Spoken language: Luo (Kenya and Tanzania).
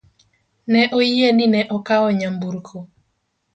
Ne oyie ni ne okawo nyamburko.